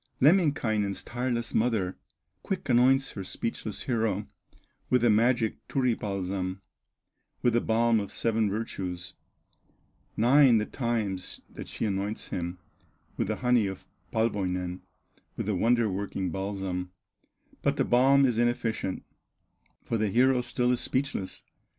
Lemminkainen's tireless mother Quick anoints her speechless hero, With the magic Turi balsam, With the balm of seven virtues; Nine the times that she anoints him With the honey of Palwoinen, With the wonder working balsam; But the balm is inefficient, For the hero still is speechless.